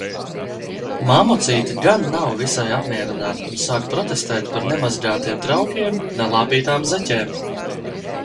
Mammucīte gan nav visai apmierināta, un sāk protestēt par nemazgātiem traukiem, nelāpītām zeķēm.